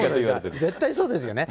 絶対そうですよね。